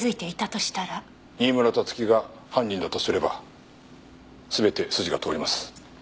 新村辰希が犯人だとすれば全て筋が通ります。